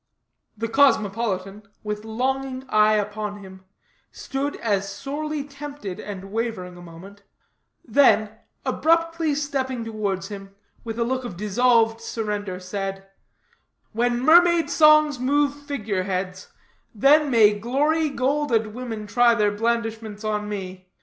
The cosmopolitan, with longing eye upon him, stood as sorely tempted and wavering a moment; then, abruptly stepping towards him, with a look of dissolved surrender, said: "When mermaid songs move figure heads, then may glory, gold, and women try their blandishments on me.